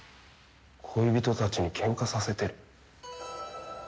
恋人たちに喧嘩させてる。